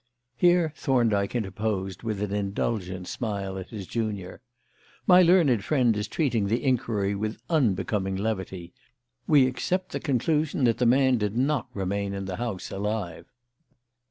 Here Thorndyke interposed with an indulgent smile at his junior: "My learned friend is treating the inquiry with unbecoming levity. We accept the conclusion that the man did not remain in the house alive."